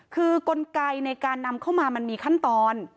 คือกลไกในการนำเข้ามามันมีขั้นตอน